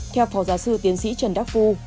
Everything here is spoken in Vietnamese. theo phó giáo sư tiến sĩ trần đắc phu